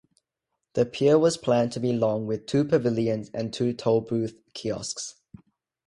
The pier was planned to be long with two pavilions and two tollbooth kiosks.